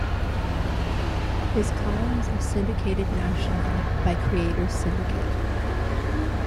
His columns are syndicated nationally by Creators Syndicate.